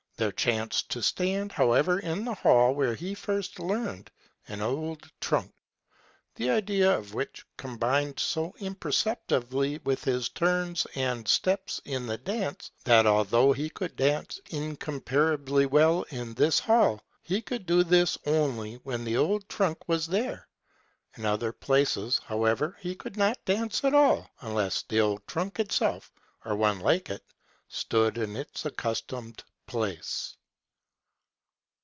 There chanced to stand, however, in the hall where he first learned, an old trunk, the idea of which com bined so imperceptibly with his turns and steps in the dance, that although he could dance incomparably well in this hall, he could do this only when the old trunk was there ; in other places, however, he could not dance at all, unless the old trunk itself or one like it stood in its accustomed place.